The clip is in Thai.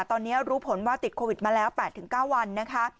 ตอนนี้รู้ผลว่าติดโควิดมาแล้ว๘๙วันนะคะ